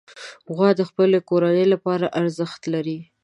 غوا د خپلې کورنۍ لپاره ارزښت لري.